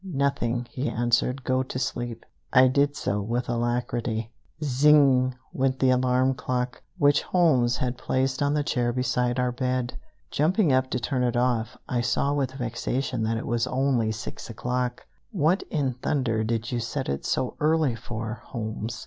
"Nothing," he answered. "Go to sleep." I did so with alacrity. Zing g g g g! went the alarm clock, which Holmes had placed on the chair beside our bed. Jumping up to turn it off, I saw with vexation that it was only six o'clock. "What in thunder did you set it so early for, Holmes?"